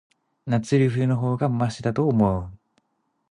夏より、冬の方がましだと思う。